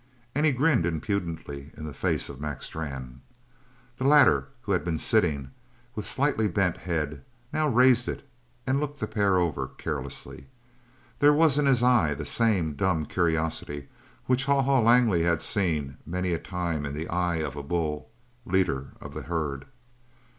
And he grinned impudently in the face of Mac Strann. The latter, who had been sitting with slightly bent head, now raised it and looked the pair over carelessly; there was in his eye the same dumb curiosity which Haw Haw Langley had seen many a time in the eye of a bull, leader of the herd.